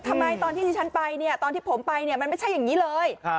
ทำไมตอนที่ที่ฉันไปเนี่ยตอนที่ผมไปเนี่ยมันไม่ใช่อย่างนี้เลย